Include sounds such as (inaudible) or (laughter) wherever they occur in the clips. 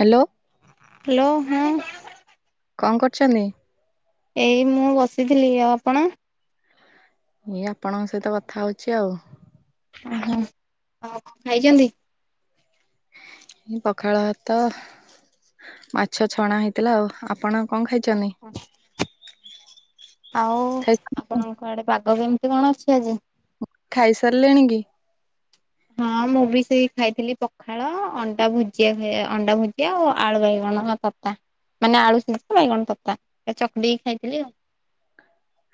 Hello. Hello ହଁ। କଣ କରୁଛନ୍ତି? ଏଇ ମୁଁ ବସିଥିଲି ଆଉ ଆପଣ। ଏଇ ଆପଣଙ୍କ ସହିତ କଥା ହଉଛି ଆଉ। ଓହୋ ଆଉ କଣ ଖାଇଛନ୍ତି? ପଖାଳ ଭାତ ମାଛ ଛଣା ହେଇଥିଲା ଆଉ ଆପଣ। କଣ ଖାଇଛନି? ଆଉ ଖାଇ ଆପଣଙ୍କ ଆଡେ ପାଗ କେମିତି କଣ ଅଛି ଆଜି? ଖାଇ ସାରିଲେଣି କି? ହଁ ମୁଁ ବି ସେଇ ଖାଇଥିଲି ପଖାଳ ଅଣ୍ଡା ଭୁଜିଆ ଅଣ୍ଡା ଭୁଜିଆ ଆଉ ଆଳୁ ବାଇ କଣ ତତା ମାନେ ଆଳୁ ସିଜା ବାଇଗଣ ତତା ଏ ଚକିଟିକି ଖାଇଥିଲି ଆଉ।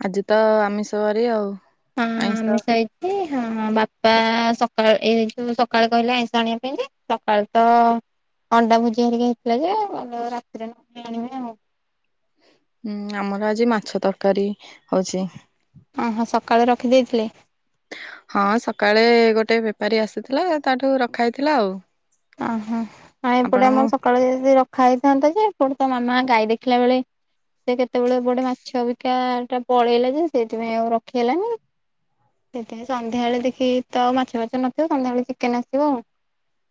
ଆଜି ତ ଆମିଷ ବାରି ଆଉ। ହଁ ଆଇଁଷ (unintelligible) ଏ- ହଁ ବାପା ସକାଳେ ଏଇ ଯଉ ସକାଳେ କହିଲେ ଆଇଁଷ ଆଣିବା ପାଇଁ ଯେ ସକାଳୁ ତ ଅଣ୍ଡା ଭୁଜିଆ ହେରିକି ହେଇଥିଲା ଯେ କହିଲେ ରାତିରେ ନହଲେ ଆଣିବା ଆଉ। ହୁଁ ଆମର ଆଜି ମାଛ ତରକାରୀ ହଉଚି। ଓ ହ ସକାଳେ ରଖିଦେଇଥିଲେ? ହଁ ସକାଳେ ଗୋଟେ ବେପାରୀ ଆସୁଥିଲା ତାଠୁ ରଖା ହେଇଥିଲା ଆଉ। ଓହୋ ଆଉ ଆପଣ ଏପଟେ ଆମର ହୁଁ ସକାଳୁ ଯଦି ରଖା ହେଇଥାନ୍ତା ଯେ ଏପଟେ ତ ମାମା ଗାଈ ଦେଖିଲା ବେଳେ ସେ କେତେବେଳେ ଗୋଟେ ମାଛ ବିକା ଟା ପଳେଇଲା ଯେ ସେଇଥିପାଇଁ ଆଉ ରଖି ହେଲାନି। ସେଥିପାଇଁ ସନ୍ଧ୍ୟାବେଳେ ଦେଖି ତ ମାଛ ଫାଛ ନଥିବ ସନ୍ଧ୍ୟାବେଳେ ଚିକେନ୍ ଆସିବ ଆଉ।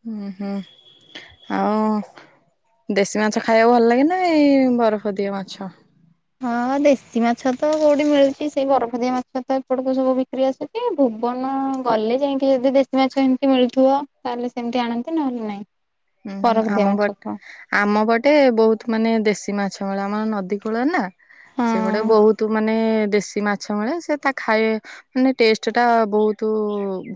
ହୁଁ -ହୁଁ। ଆଉ ଦେଶୀ ମାଛ ଖାଇବାକୁ ଭଲ ଲାଗେ ନା ଏଇ ବରଫ ଦିଆ ମାଛ? ହଁ ଦେଶୀ ମାଛ ତ କଉଠି ମିଳୁଚି ସେଇ ବରଫ ଦିଆ ମାଛ ତ ଏପଟକୁ ସବୁ ବିକ୍ରି ଆସୁଚି। ଏ ଭୁବନ ଗଲେ ଯାଇକି ଯଦି ଦେଶୀ ମାଛ ଏମିତି ମିଳୁଥିବ ତାହେଲେ ସେମିତି ଆଣନ୍ତି ନହେଲେ ନାଇଁ। ହୁଁ -ହୁଁ ବରଫଦିଆ ଆମ ମାଛ ବଟ୍ କଣ। ଆମ ପଟେ ବହୁତ୍ ମାନେ ଦେଶୀ ମାଛ ମିଳେ ଆମର ନଦୀ କୂଳରେ ନା। ହଁ ସେପଟେ ବହୁତୁ ମାନେ ଦେଶୀ ମାଛ ମିଳେ ସେ ତା ଖାଏ ମାନେ ଟେଷ୍ଟେ ଟା ବହୁତୁ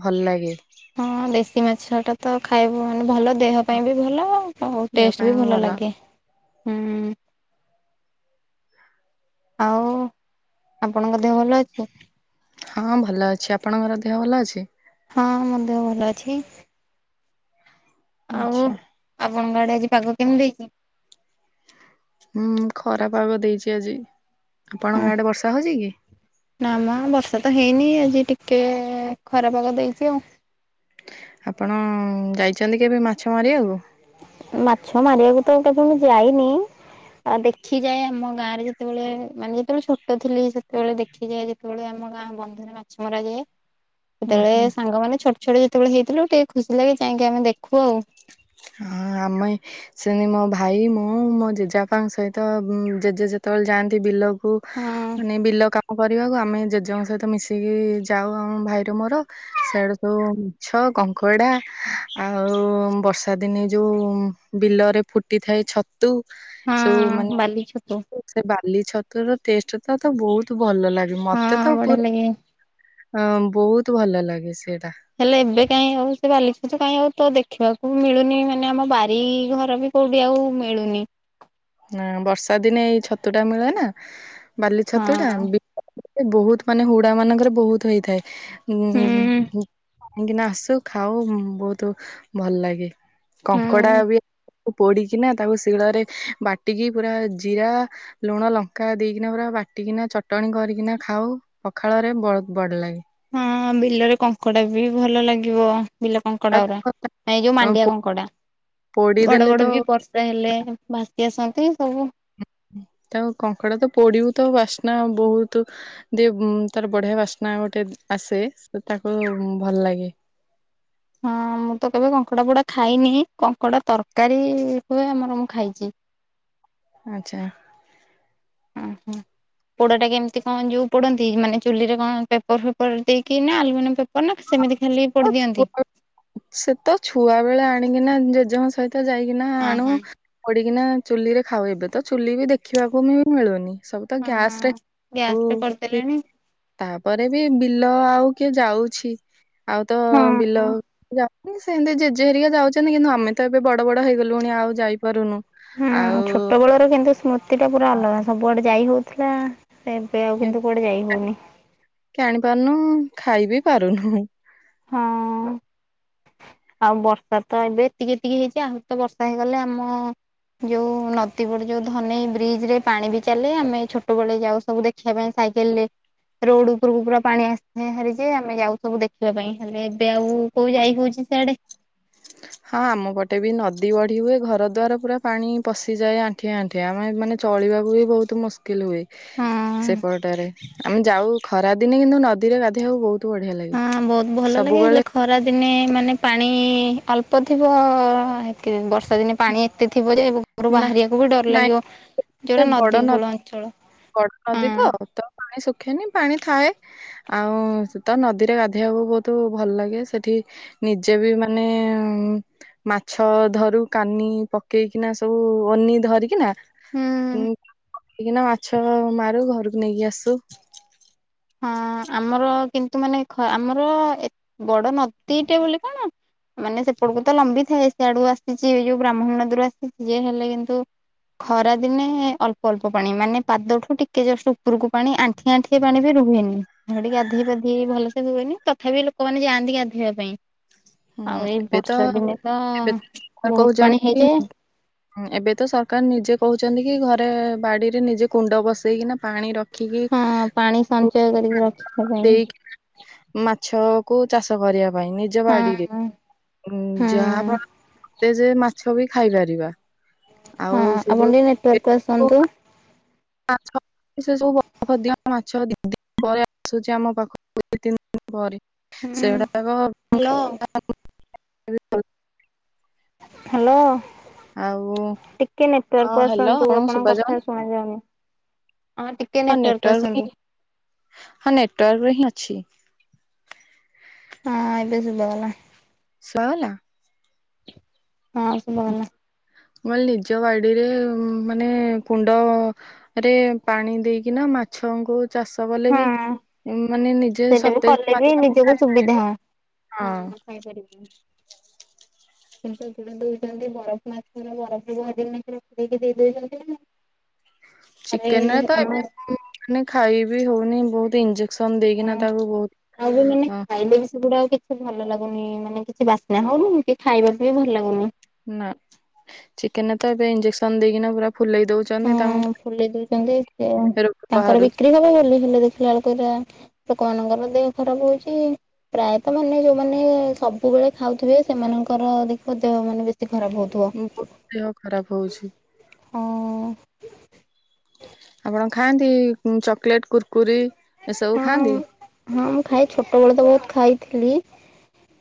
ଭଲ ଲାଗେ। ହଁ ଦେଶୀ ମାଛ ଟା ତ ଖାଇବୁ ମାନେ ଭଲ ଦେହ ପାଇଁ ବି ଭଲ ଆଉ। ହ -ହଉ ଟେଷ୍ଟ୍ ବି ଭଲ ଲାଗେ -ହୁଁ। ଆଉ ଆପଣଙ୍କ ଦେହ ଭଲ ଅଛି ତ? ହଁ ଭଲ ଅଛି। ଆପଣଙ୍କର ଦେହ ଭଲ ଅଛି? ହଁ ମୋ ଦେହ ଭଲ ଅଛି। ଆଉ ଆଚ୍ଛା ଆପଣଙ୍କ ଆଡେ ଆଜି ପାଗ କେମିତି ଦେଇଚି? ହୁଁ ଖରା ପାଗ ଦେଇଚି ଆଜି। ଆପଣଙ୍କ ଆଡେ ବର୍ଷା ହଉଚି କି? ନା ମ ବର୍ଷା ତ ହେଇନି ଆଜି ଟିକେ ଖରାପାଗ ଦେଇଚି ଆଉ। ଆପଣ ଯାଇଚନ୍ତି କେବେ ମାଛ ମାରିବାକୁ? ମାଛ ମାରିବାକୁ ତ କେବେବି ଯାଇନି ଆ- ଦେଖିଯାଏ ଆମ ଗାଁ ରେ ଯେତେବେଳେ ମାନେ ଯେତେବେଳେ ଛୋଟ ଥିଲି ସେତେବେଳେ ଦେଖିଯାଏ ଯେତେବେଳେ ଆ ଆମ ଗାଁ ବନ୍ଧରେ ମାଛ ମରାଯାଏ। ହୁଁ ସେତେବେଳେ ହୁଁ ସାଙ୍ଗ ମାନେ ଛୋଟ ଛୋଟ ଯେତେବେଳେ ହେଇଥିଲୁ ଟିକେ ଖୁସି ଲାଗେ ଯାଇଁକି ଆମେ ଦେଖୁ ଆଉ। ହଁ ଆମେ (unintelligible) ମୋ ଭାଇ ମୁଁ ମୋ ଜେଜେବାପାଙ୍କ ସହିତ ଜେଜେ ଯେତେବେଳେ ଯାଆନ୍ତି ବିଲ କୁ ହଁ। ମାନେ ବିଲ କା କରିବାକୁ ଆମେ ଜେଜେଙ୍କ ସହିତ ମିଶିକି ଯାଉ ଆମ ଭାଇର ମୋର। ସିଆଡେ ସବୁ (unintelligible) କଙ୍କଡା ଆଉ ବର୍ଷା ତା ଦିନେ ଯଉ ବିଲରେ ଫୁଟି ଥାଏ ଛତୁ ସବୁ ହଁ ବାଲି ଛତୁ ମାନେ ସେ ବାଲି ଛତୁର ଟେଷ୍ଟେ ଟା ତ ବହୁତ୍ ଭଲ ଲାଗେ ହଁ ମତେ ତ ପୁ ବଢିଆ ଲାଗେ। ହଁ ବହୁତ୍ ଭଲ ଲାଗେ ସେଇଟା। ହେଲେ ଏବେ କାଇଁ ଆଉ ସେ ବାଲି ଛତୁ କାଇଁ ଆଉ ତ ଦେଖିବାକୁ ମିଳୁନି ମାନେ ଆମ ବାରି ଘର ବି କଉ ବି ଆଉ ମିଳୁନି। ହାଁ ବର୍ଷା ଦିନେ ଏଇ ଛତୁ ଟା ମିଳେ ନା ବାଲି ଛତୁ ଟା ବି ବହୁତ୍ ମାନେ ହୁଡା ମାନଙ୍କରେ ବହୁତ୍ ହେଇଥାଏ ହୁଁ ଉଁ - କାହିଁକିନା ଆସୁ ଖାଉ ବହୁତ୍ ଭଲ୍ ଲାଗେ କଙ୍କଡା ହୁଁ। ବି ପୋଡିକିନା ତାକୁ ଶିଳରେ ବାଟିକି ପୁରା ଜିରା ଲୁଣ ଲଙ୍କା ଦେଇକିନା ପୁରା ବାଟିକିନା ଚଟଣି କରିକିନା ଖାଉ ପଖାଳ ରେ ବହୁତ ବଡ ଲାଗେ ହଁ ବିଲରେ କଙ୍କଡା ବି ଭଲ ଲାଗିବ ବିଲ କଙ୍କଡା ଏ ଯୋଉ ମାଣ୍ଡିଆ କଙ୍କଡା ବଡ ପୋଡିଦେଲେ ତ ବଡ ବି ପର ପା ହେଲେ ଭାସି ଆସନ୍ତି ସବୁ ତାକୁ କଙ୍କଡା ତ ପୋଡିବୁ ତ ବାସ୍ନା ବହୁତ ଦ ତାର ବଢିଆ ବାସ୍ନା ଗୋଟେ ଆସେ ତାକୁ ଭଲ ଲାଗେ ହଁ ମୁଁ ତ କେବେ କଙ୍କଡା ପୋଡା ଖାଇନି କଙ୍କଡା ତରକାରୀ ହୁଏ ଆମର ମୁଁ ଖାଇଛି ଆଛା ହୁଁ ହୁଁ ପୋଡାଟା କେମିତି କଣ ଯୋଉ ପଡନ୍ତି ମାନେ ଚୁଲିରେ କଣ ପେପର ଫେପର ଦେଇକି ନା ଆଲୁମିନିୟମ୍ ପେପର ନା ସେମିତି ଖାଲି ପୋଡି ଦିଅନ୍ତି? ଛ ସେ ତ ଛୁଆ ବେଳେ ଆଣିକିନା ଜେଜେମା ସହିତ ତ ଯାଇକିନା ଅଁ ଆଣୁ ହଁ। ପୋଡିକିନା ଚୁଲି ରେ ଖାଉ ଏବେ ତ ଚୁଲି ବି ଦେଖିବାକୁ ବି ମିଳୁନି ସବୁ ତ ଗ୍ୟାସ ରେ ଆଉ ଏଠି କଲେଣି ତାପରେ ବି ବିଲ ଆଉ କିଏ ଯାଉଛି ଆଉ ତ ହଁ ବିଲ ହଁ ସେମିତି ଜେଜେ ହେରିକା ଯାଉଛନ୍ତି କିନ୍ତୁ ଆମେ ତ ଏବେ ବଡ ବଡ ହେଇଗଲୁଣି ଆଉ ଯାଇପାରୁନୁ ହୁଁ ଆଉ ଛୋଟ ବେଳର କିନ୍ତୁ ସ୍ମୃତି ଟା ପୁରା ଅଲଗା ସବୁଆଡେ ଯାଇ ହଉଥିଲା ସେ ଏବେ ଆଉ କିନ୍ତୁ କୋଉଆଡେ ଯାଇ ହଉନି ଜାଣି ପାରୁନୁ ଖାଇ ବିି ପାରୁନୁ ହଁ ଆଉ ବର୍ଷା ତ ଏବେ ଏତିକି ଏତିକି ହେଇଛି ଆହୁ ତ ବର୍ଷା ହେଇଗଲେ ଆମ ଯୋଉ ନଦୀ ବଡି ଯୋଉ ଧନୀ ବ୍ରିଜ ରେ ପାଣି ବି ଚାଲେ ଆମେ ଛୋଟ ବେଳେ ଯାଉ ସବୁ ଦେ ଖିବା ପାଇଁ ସାଇକଲରେ ରୋଡ ଉପରକୁ ପୁରା ପାଣି ଆସିଥାଏ ହାରି ଯେ ଆମେ ଯାଉ ସବୁ ଦେଖିବା ପାଇଁ ହେଲେ ଏବେ ଆଉ କୋଉ ଯାଇ ବହୁଝି ସେଆଡେ ହଁ ଆମ ପଟେ ବି ନଦୀ ବଢି ହୁଏ ଘର ଦ୍ୱାର ପୁରା ପାଣି ପଶିଯାଏ ଆଣ୍ଠ ଆଠିଆଣ୍ଠି ଆମ ମାନେ ଚଳିବାକୁ ବି ବହୁତ ମୁ ସ୍କିଲ ହୁଏ ହଁ ସେପଟରେ ଆମେ ଯାଉ ଖରା ଦିନେ କିନ୍ତୁ ନଦୀରେ ଗାଧେଇବାକୁ ବହୁତ ବଢିଆ ଲାଗେ ସବୁବେଳେ ଖରାଦିନେ ମାନେ ପାଣି ଅଳ୍ପ ଥିବ ଏତେ ବର୍ଷା ଦିନେ ପାଣି ଏତେ ଥିବ ଯେ ଘରୁ ନା ବାହାରିବାକୁ ବି ଡର ନାଇଁ ଲାଗିବ ଏତେ ଯୋଉଟା ବଡ ନଦୀ କୂଳ ଅଞ୍ଚଳ ବଡ ନଦୀ ହଁ ତ ତ ପାଣି ସୁଖେନି ପାଣି ଥାଏ ଆଉ ତ ନଦୀରେ ଗାଧୋଇବାକୁ ବହୁତ ଭଲ ଲାଗେ ସେଠି ନିଜେ ବି ମାନେ ମାଛ ଧରୁ କାନି ପକେଇକିନା ସବୁ ଅନି ଧରିକି ନା ହୁଁ ଧରିକିନା ମାଛ ମାରୁ ଘରକୁ ନେଇକି ଆସୁ ହଁ ଆମର କିନ୍ତୁ ମାନେ ଆମର ବଡ ନଦୀଟେ ବୋଲି କଣ ମାନେ ସେପଟକୁ ତ ଲମ୍ବି ଥାଏ ସେଆଡୁ ଆସ ସେ ଯ ଯୋଉ ବ୍ରାହ୍ମଣୀ ନଦୀରୁ ଆସିଛିସି ଯେ ହେଲେ କିନ୍ତୁ ଖରା ଦିନେ ଅଳ୍ପ ଅଳ୍ପ ପାଣି ମାନେ ପାଦଠୁ ଟିକେ ଜଷ୍ଟ ଉପରକୁ ପାଣି ଆଣ୍ଠି ଆଣ୍ଠି ପାଣି ବି ରୁହେ ନି ସେଠି ଗାଧୋଇ ପାଧେଇ ଭଲସ ହୁଏନି ତଥାପି ଲୋକମାନେ ଯାଆନ୍ତି ଗାଧୋଇବା ପାଇଁ ହୁଁ ଆଉ ଏଇ ଏବେ ତ ବର୍ଷା ଦିନେ ତ ଏବେ ସରକାର ବହୁତ କହୁଛନ୍ତି ପାଣି ହେଇଯାଏ କି, ଏବେ ତ ସରକାର ନିଜେ କହୁଛନ୍ତି କି ଘରେ ବାଡିରେ ନିଜେ କୁଣ୍ଡ ବସେଇକିନା ପାଣି ର କି କି ହଁ ପାଣି ସଞ୍ଚୟ କରିକି ରଖିବା ପାଇଁ ସେଇ ମାଛ କୁ ଚାଷ କରିବା ପାଇଁ ନିଜ ବାଡି ହଁ ହଁ ଯାହା ଫଳରେ ମତେ ଯେ ମାଛ ବି ଖାଇପାରିବା। ଆଉ ହଁ ସେ ଆପଣ ଟିକେ ନେଟୱାର୍କକୁ ଯୋଉ ଆସନ୍ତୁ ମା ସେ ସବୁ ବ ଦ ମାଛି ପରେ ଆସୁଛି ଆମ ପାଖକୁ ଦୁ ତିନି ଦିନ ପରେ ହୁଁ ସେଗୁଡ଼ାକ। Hello (unintelligible) hello. ଆଉ ଟିକେ ହଁ ନେଟୱାର୍କ କୁ ହ୍ୟାଲୋ ଆସନ୍ତୁ ଆପଣଙ୍କୁ ଶୁଭା ଆପଣଙ୍କ କଥା ଯାଉନି? ଶୁଣ ଯାଉନି ହଁ ଟି ହଁ ନେଟୱାର୍କ ହିଁ ହଁ ନେଟୱାର୍କ ହିଁ ଅଛି। ହଁ ଏବେ ଶୁଭାଗଲା। ଶୁଆଗଲା? ହଁ ଶୁଭାଗଲା। ମୁଁ କଇଲି ନିଜ ବାଡିରେ ମାନେ କୁଣ୍ଡ ରେ ପାଣି ଦେଇକିନା ମାଛଙ୍କୁ ଚାଷ କଲେ ବି ହଁ ମାନେ ନିଜେ ସେଇଟା ବି ସତେଜ୍‌ ମାଛ ଖାଇପାରିବ। ହୁଁ ହଁ। ହୁଁ ଖାଇପାରିବି। କିନ୍ତୁ ଯୋଉ ମାନେ ଦୋଉଚନ୍ତି ବରଫ ମାଛର ବରଫେଇକି ପୁରେଇ କି ଦେଇଦୋଉଚନ୍ତି ନା ଘରେ ଚିକେନ ତ ଆମ ଏବେ ଖାଇ ବି ହୋଉନି ବହୁତ ଇଂଜ ହଁ ଆଉ ବି ମାନେ ହଁ ଖାଇଲେ ବି ସେଗୁଡା ଆଉ କି ମତେ ଭଲ ଲାଗୁନି ମାନେ କିଛି ବାସ୍ନା ହୋଉନି କି ଖାଇବାକୁ ବି ଭଲ ଲାଗୁନି ନା ଚିକେନ୍‌ ତ ଏବେ ଇଞ୍ଜେକ୍ସନ ଦେଇକିନା ପୁରା ଫୁଲେଇ ଦୋଉଚନ୍ତି। ଫୁଲି ଦୋଉଚନ୍ତି ସେ ତାଙ୍କର ବିକ୍ରି ବାହାରୁଛି କବ ବୋଲି ହେ ଦେଖିଲା ବେଳକୁ ଲୋକମାନାନଙ୍କର ଦେହ ଖରାପ୍ ହୋଉଚି। ପ୍ରାୟତଃ ମାନେ ଯୋଉମାନେ ସବୁବେଳେ ଖାଉଥିବେ ସେମାନଙ୍କର ଦେଖ ଦେହ ମାନେ ବେଶୀ ଖରାପ୍ ହୋଉ ମୁଁ ପୁଅ ଦେହ ଖରାପ୍ ହୋଉଚି। ହଁ। ଆପଣ ଖାଆନ୍ତି ଚକୋଲେଟ୍ କୁରକୁରି ଏସବୁ ଖାଆନ୍ତି? ହଁ ହଁ ମୁଁ ଖାଇ ଛୋଟ ବେଳେ ତ ବହୁତ ଖାଇଥିଲି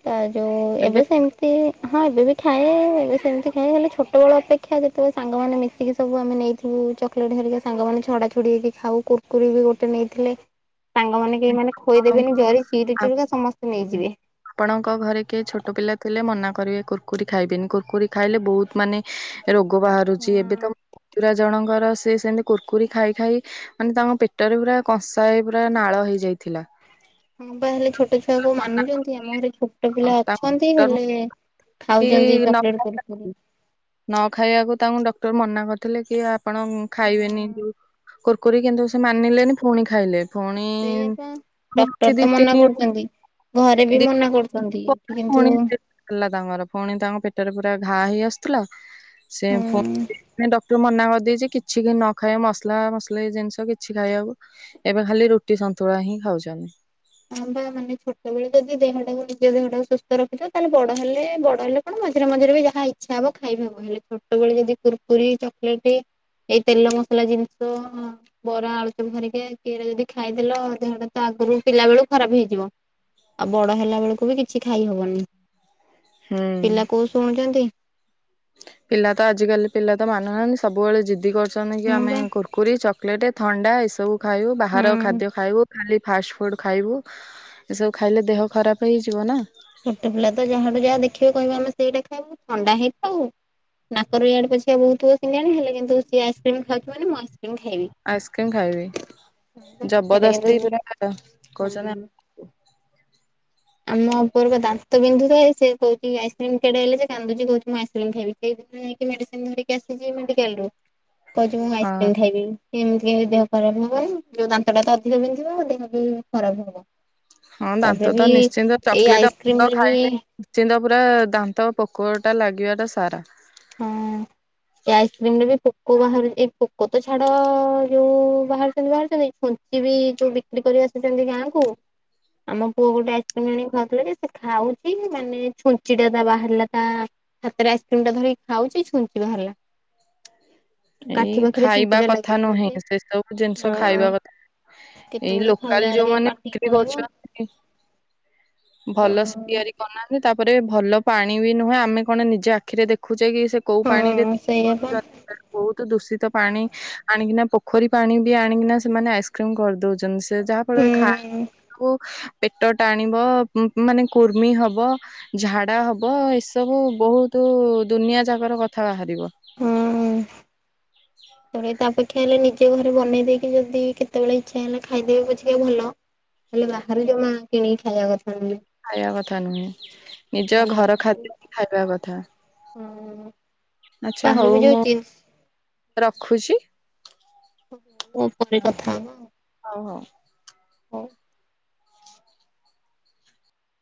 ତ ଯୋଉ ଏବେ ସେମିତି ହଁ ଏବେ ବି ଖାଏ ଏବେ ସେମିତି ଖାଏ ହେଲେ ଛୋଟବେଳ ଅପେକ୍ଷା ଯେତେବେଳେ ସାଙ୍ଗମାନେ ମିଶିକି ସବୁ ଆମେ ନେଇ ହୁଁ ଚକୋଲେଟ ଧରିକ ସାଙ୍ଗମାନେ ଛଡା ଛଡି ହେଇକି ଖାଉ କୁୁରକୁରି ବି ଗୋଟେ ନେଇଥିଲେ ସାଙ୍ଗମାନେ କେହି ମାନେ ଆପଣଙ୍କ ଖୋଇଦେବେନି ଜରି ଚିରୁ ଆପ ଚିରୁକା ସମସ୍ତେ ନେଇଯିବେ। ଆପଣଙ୍କ ଘରେ କିଏ ଛୋଟ ପିଲା ଥିଲେ ମନା କରିବେ କୁରକୁରି ଖାଇବେନି କୁରକୁରି ଖାଇଲେ ବହୁତ ମାନେ ରୋଗ ବାହାରୁଚି ଏବେ ତ ହଁ ପୁତୁରା ଜଣଙ୍କର ସେ ସେମିତି କୁୁରକୁରି ଖାଇ ଖାଇ ମାନେ ତାଙ୍କ ପେଟରେ ପୁରା କଂସା ହେଇ ପୁରା ନାଳ ହେଇଯାଇଥିଲା। ହଁ ବା ହେଲେ ଛୋଟ ଛୁଆ କ ମାନୁଚନ୍ତି ଆମ ଘରେ ଛୋଟ ଆଉ ପିଲା ତାଙ୍କୁ ଅଛନ୍ତି ଡକ୍ଟର ହେଲେ କି ଖାଉଚନ୍ତି ନ ଚକଲେଟ ଖାଇବାକୁ କୁରକୁରି ନ ଖାଇବାକୁ ତାଙ୍କୁ ଡକ୍ଟର ମନା କରିଥିଲେ କି ଆପଣ ଖାଇବେନି ଯୋଉ କୁରକୁରି କିନ୍ତୁ ସେ ମାନିଲେନି ଫୁଣି ଖାଇଲେ ଫୁଣି। ସେଇଆ ପା ଡକ୍ଟର ତ ମନା (unintelligible) କରୁଛନ୍ତି ଘରେ ବି ମନା କରୁଚନ୍ତି ଦିନ ପରେ କିନ୍ତୁ ପୁଣି ହେଲା ତାଙ୍କର ଫୁଣି ତାଙ୍କ ପେଟରେ ପୁରା ଘା ହେଇ ଆସୁଥିଲା ସେ ଫୋ ହୁଁ ଡକ୍ଟର ମନା କରିଦେଇ ଯେ କି କିଛି କି ନ ଖାଇବା ମସଲା ମସଲି ଜିନିଷ କିଛି ଖାଇବାକୁ ଏବେ ଖାଲି ରୁଟି ସନ୍ତୁଳା ହିଁ ଖାଉଛନ୍ତି। ହଁ ବା ମାନେ ଛୋଟବେେଳେ ଯଦି ଦେହଟାକୁ ନିଜ ଦେହଟାକୁ ସୁସ୍ଥ ରଖିଉ ତାହେଲେ ବଡ ହେଲେ ବଡ ହେଲେ ଆପଣ ମଝିରେ ମଝିରେ ବି ଯାହା ଇଚ୍ଛା ହବ ଖାଇବ ହବ ହେଲେ ଛୋଟବେଳେ ଯଦି କୁରପୁରୀ ଚକଲେଟ ଏଇ ତେଲ ମସଲା ଜିନିଷ ବରା ଆଳୁଚପ ଘରିକା କି ଏରା ଯଦି ଖାଇଦେଲ ଦେହଟା ତ ଆଗରୁ ପିଲା ବେଳୁ ଖରାପ ହେଇଯିବ ଆଉ ବଡ ହେଲା ବେଳକୁ ବି କିଛି ଖାଇ ହବନି। ହୁଁ। ପିଲା କୋଉ ଶୁଣୁଛନ୍ତି। ପିଲା ତ ଆଜିକାଲି ପିଲା ତ ମାନୁନାହାନ୍ତି ସବୁବେଳେ ଜିଦି କରୁଛନ୍ତି କି ହଁ ଆମେ ବା। କୁରୁ କୁରୀ ଚକୋଲେଟ ଥଣ୍ଡା ଏସବୁ ଖାଇବୁ ହୁଁ ବାହାର ଖାଦ୍ୟ ଖାଇବୁ ଖାଲି ଫାଷ୍ଟ ଫୁଡ ଖାଇବୁ ଏସବୁ ଖାଇଲେ ଦେହ ଖରାପ ହେଇଯିବ ନା। ଛୋଟ ପିଲା ତ ଯାହାଠୁ ଯାହା ଦେଖିବେ କହିବେ ଆମେ ସେଇଟା ଖାଇବୁ ଥଣ୍ଡା ହେଇଥାଉ। ନାକରୁ ଇଆଡ଼େ ପଛକେ ବହୁଥିବ ସିଙ୍ଗାଣି ହେଲେ କିନ୍ତୁ ସିଏ ଆଇସ୍କ୍ରିମ୍ ଖାଉଚି ମାନେ ମୁଁ ଆଇସ୍କ୍ରିମ୍ ଖାଇବି। ଆଇସ୍କ୍ରିମ୍ ଖାଇବି ସେଇଟା ଜବରଦସ୍ତି କିନ୍ତୁ ପୁରା କହୁଛନ୍ତି ହୁଁ। ଆମ ଉପର ପା ଦାନ୍ତ ବିନ୍ଧୁଥାଏ ସେ କହୁଛି ଆଇସ୍କ୍ରିମ କେଡା ହେଲେ କାନ୍ଦୁଛି କହୁଛି ମୁଁ ଆଇକ୍ରିମ୍ ଖାଇବି କେଦିନ ଯାଇକି ମେଡିସିନ ଧରିକି ଆସିଛି ମେଡିକାଲ ରୁ କହୁଛିୁ ମୁଁ ହଁ ଆଇସ୍କ୍ରିମ୍ ଖାଇବି। ଏମିତି ହେଇ ଦେହ ଖରାପ ହବନି ଯୋଉ ଦାନ୍ତ ଟା ତ ଅଧିକ ବିନ୍ଧିବ ଦେହ ବି ଖରାପ ହବ। ହଁ ତାପରେ ଦାନ୍ତ ତ ବି ନିଶ୍ଚିନ୍ତ ଏଇ ଚକୋଲେଟ ତ ଆଇସ୍କ୍ରିମରେ ବି ଖାଇଲେ ଚିନ୍ତା ପୁରା ଦାନ୍ତ ପୋକଟା ଲାଗିବାଟା ସାରା। ହଁ। (unintelligible) ଏ ଆଇସ୍କ୍ରିମରେ ବି ପୋକ ବାହାରୁଛି ଏଇ ପୋକ ତ ଛାଡ ଯୋଉ ବାହାରୁଛନ୍ତି ବାହାରୁଛନ୍ତି ସିଏ ବି ଯୋଉ ବିକ୍ରି କରି ଆସିଛନ୍ତି ଗାଁକୁ ଆମ ପୁଅ ଗୋଟେ ଆଇସ୍କ୍ରିମ ଆଣିକି ଖାଉଥିଲା ଯେ ସେ ଖାଉଛି ମାନେ ଛୁଞ୍ଚି ଟା ତା ବାହାରିଲା ତା ହାତରେ ଆଇସ୍କ୍ରିମ ଟା ଧରିକି ଖାଉଛି ଛୁଞ୍ଚି ବାହାରଲା। ଏଇ ଖାଇବା କଥା ଯେ ନୁହେଁ ସେ ସବୁ ଜିନିଷ ଖାଇବା କଥା ଏଇ କେତେବେଳେ ଲୋକାଲ ଖାଇଲା ଯୋଉ ବେଳେ ମାନେ ପାଟିକି ବିକ୍ରି ପଳେଇବ କରୁଛନ୍ତି ଭଲସେ ତିଆରି ବନାନ୍ତି ତାପରେ ଭଲ ପାଣି ବି ନୁହେଁ ଆମେ କଣ ନିଜ ଆଖିରେ ଦେଖୁଛେ କି ସେ କୋଉ ପାଣିରେ ହଁ ସେଇଆ ପା। ବହୁତ ଦୂଷିତ ପାଣି ଆଣିକିନା ପୋଖରୀ ପାଣିବି ଆଣିକିନା ସେମାନେ ଆଇସ୍କ୍ରିମ କରିଦଉଛନ୍ତି। ଯାହା ଫଳରେ ଖାଇବାକୁ ପେଟ ଟାଣିବ ମାନେ କୁର୍ମି ହବ। ଝାଡା ହବ ଏସବୁ ବହୁତ ଦୁନିଆ ଯାକର କଥା ବାହାରିବ। ହୁଁ ହୁଁ ତାରେ ତାପେ ଇଚ୍ଛା ହେଲେ ନିଜେ ଘରେ ବନେଇ ଦେଇକି ଯଦି କେତେବେଳେ ଇଚ୍ଛା ହେଲା ଖାଇଦେବେ ପଛିକା ଭଲ। ହେଲେ ବାହାରେ ଜମା କିଣିକି ଖାଇବା କଥା। ନୁହେଁ ଖାଇବା କଥା ନୁହେଁ ନିଜ ବାହାରୁ ଘର ଖାଦ୍ୟ ହିଁ ଖାଇବା କଥା। ହଁ ଆଛା ବାହାରୁ ହଉ ବି ଯୋଉ ମୁଁ ରଖୁଛି। ହଉ ପରେ କଥାହେବା। ହଉ ହଉ। ହଉ।